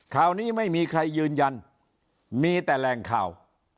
ข่าวนี้ไม่มีใครยืนยันมีแต่แรงข่าว